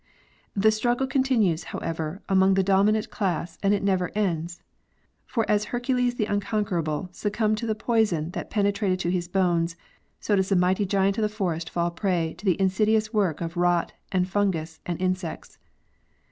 The struggle continues, however, among the dominant class and it neverends. For as Hercules the unconquerable succumbed to the poison that penetrated to his bones, so does the mighty giant of the forest fall a prey to the insidious work of rot and fungus and insects.